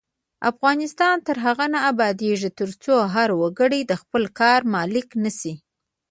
افغانستان تر هغو نه ابادیږي، ترڅو هر وګړی د خپل کار مالک نشي.